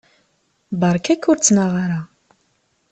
Beṛka-k ur ttnaɣ ara.